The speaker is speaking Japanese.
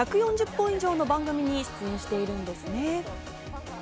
１４０本以上の番組に出演しているんですね。